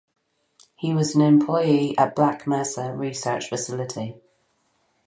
He was an employee at Black Mesa Research Facility.